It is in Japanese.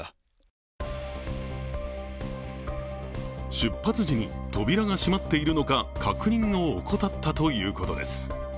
出発時に扉が閉まっているのか確認を怠ったということです。